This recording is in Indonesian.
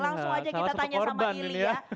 langsung aja kita tanya sama willy ya